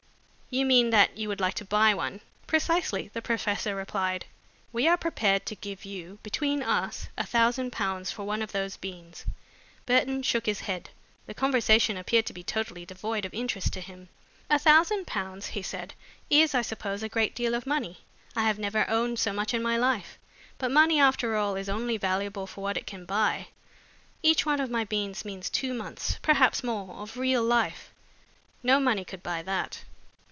"You mean that you would like to buy one?" "Precisely," the professor replied. "We are prepared to give you, between us, a thousand pounds for one of those beans." Burton shook his head. The conversation appeared to be totally devoid of interest to him. "A thousand pounds," he said, "is, I suppose, a great deal of money. I have never owned so much in my life. But money, after all, is only valuable for what it can buy. Each one of my beans means two months, perhaps more, of real life. No money could buy that."